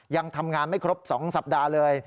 ยังทำงานไม่ครบ๒สัปดาห์เลย